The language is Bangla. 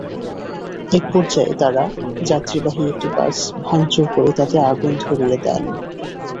একপর্যায়ে তাঁরা যাত্রীবাহী একটি বাস ভাঙচুর করে তাতে আগুন ধরিয়ে দেন।